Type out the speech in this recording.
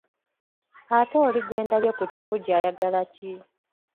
Ate oli gwe ndabye ku kifugi ayagala ki?